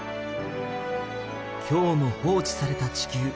今日も放置された地球。